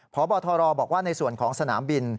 พบทรบอกว่าในส่วนของสนามบิน